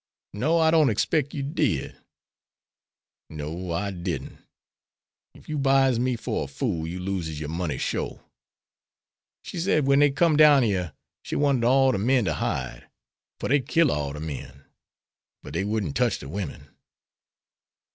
"No, I don't expect you did." "No, I didn't; ef you buys me for a fool you loses your money shore. She said when dey com'd down yere she wanted all de men to hide, for dey'd kill all de men, but dey wouldn't tech de women."